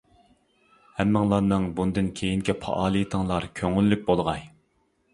ھەممىڭلارنىڭ بۇندىن كېيىنكى پائالىيەتلىرىڭلار كۆڭۈللۈك بولغاي!